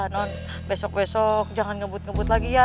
non besok besok jangan ngebut ngebut lagi ya